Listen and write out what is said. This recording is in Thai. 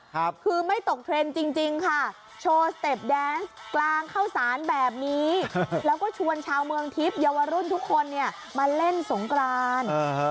คือไม่ตกเทรนด์จริงจริงค่ะโชว์สเต็ปแดนส์กลางเข้าสารแบบนี้แล้วก็ชวนชาวเมืองทิพย์เยาวรุ่นทุกคนเนี่ยมาเล่นสงกราน